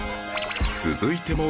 続いても